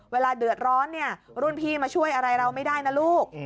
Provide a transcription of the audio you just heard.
เวลาเดือดร้อนเนี่ยรุ่นพี่มาช่วยอะไรเราไม่ได้นะลูก